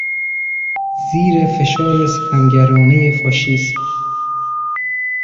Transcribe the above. زیر فشار ستمگرانهی فاشیسم